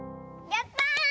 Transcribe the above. やった！